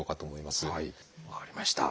分かりました。